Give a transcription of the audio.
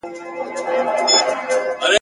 کچکول به یوسو تر خیراتونو !.